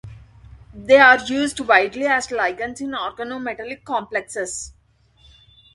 They are used widely as ligands in organometallic complexes.